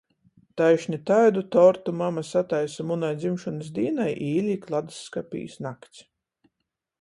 Taišni taidu tortu mama sataisa munai dzimšonys dīnai i īlīk ladsskapī iz nakts.